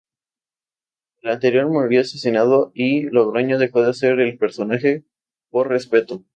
El anterior murió asesinado y Logroño dejó de hacer el personaje, por respeto.